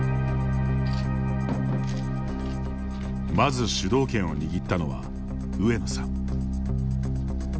まず主導権を握ったのは上野さん。